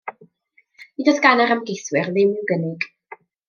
Nid oedd gan yr ymgeiswyr ddim i'w gynnig.